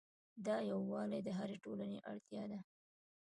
دا یووالی د هرې ټولنې اړتیا ده.